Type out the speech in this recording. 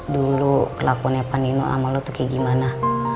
dulu kelakuan ya pak nino sama lu tuh kayak gimana